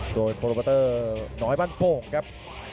โดยโปรโมเตอร์น้อยบ้านโป่งครับ